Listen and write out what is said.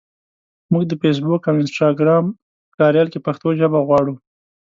مونږ د فېسبوک او انسټګرام په کاریال کې پښتو ژبه غواړو.